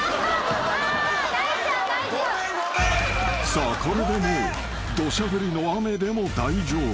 ［さあこれでもう土砂降りの雨でも大丈夫］